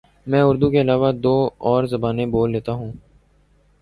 میں اردو کے علاوہ دو اور زبانیں بول لیتا ہوں